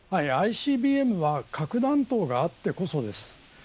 ＩＣＢＭは核弾頭があってこそです。